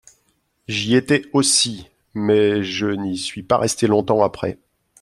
J'y étais aussi ; mais je n'y suis pas resté longtemps après.